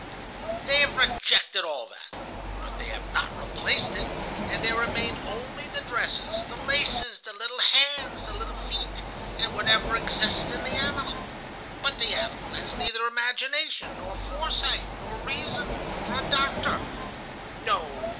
"They have rejected all that, but they have not replaced it, and there remain only the dresses, the laces, the little hands, the little feet, and whatever exists in the animal. But the animal has neither imagination, nor foresight, nor reason, nor a doctor. "No!